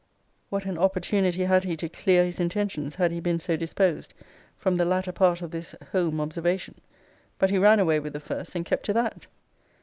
What an opportunity had he to clear his intentions had he been so disposed, from the latter part of this home observation! but he ran away with the first, and kept to that.